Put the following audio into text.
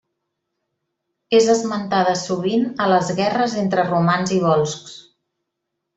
És esmentada sovint a les guerres entre romans i volscs.